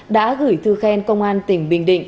đã gửi thư khen công an tỉnh bình định